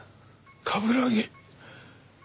冠城。